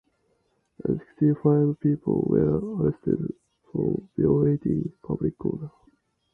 Sixty five people were arrested for violating public order.